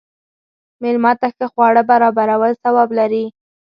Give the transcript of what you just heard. مېلمه ته ښه خواړه برابرول ثواب لري.